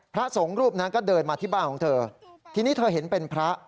พระสงฆ์รูปนั้นก็เดินมาที่บ้านของเธอทีนี้เธอเห็นเป็นพระ